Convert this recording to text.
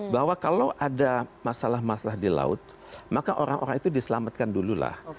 bahwa kalau ada masalah masalah di laut maka orang orang itu diselamatkan dulu lah